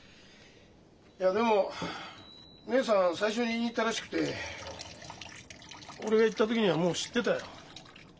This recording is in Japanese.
いやでも義姉さん最初に言いに行ったらしくて俺が行った時にはもう知ってたよ。